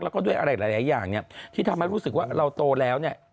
แล้วก็ด้วยอะไรหลายอย่างเนี่ยที่ทำให้รู้สึกว่าเราโตแล้วเนี่ย